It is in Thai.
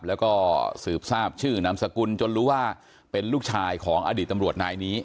แล้วก็สืบทราบชื่อนามสกุลจนรู้ว่าเป็นลูกชายของอดีตตำรวจนายนี้